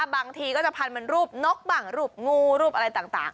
บางทีก็จะพันเป็นรูปนกบ้างรูปงูรูปอะไรต่าง